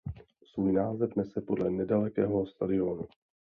Svůj název nese podle nedalekého stadionu.